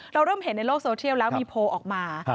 เราเริ่มเห็นในโลกโซเชียลแล้วมีโพลออกมา